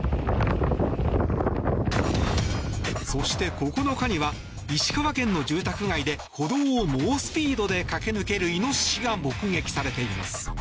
そして、９日には石川県の住宅街で歩道を猛スピードで駆け抜けるイノシシが目撃されています。